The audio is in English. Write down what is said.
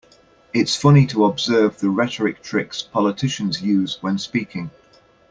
It's funny to observe the rhetoric tricks politicians use when speaking.